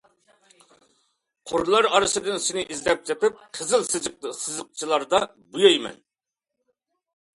قۇرلار ئارىسىدىن سېنى ئىزدەپ تېپىپ، قىزىل سىزىقچىلاردا بويايمەن.